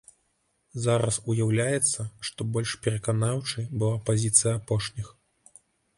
Зараз уяўляецца, што больш пераканаўчай была пазіцыя апошніх.